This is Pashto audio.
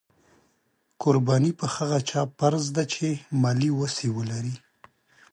قرباني په هغه چا فرض ده چې مالي وس یې ولري.